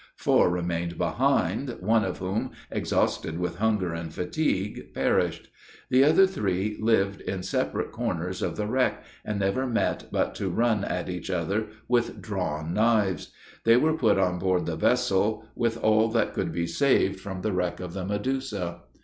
Four remained behind, one of whom, exhausted with hunger and fatigue, perished. The other three lived in separate corners of the wreck, and never met but to run at each other with drawn knives. They were put on board the vessel, with all that could be saved from the wreck of the Medusa.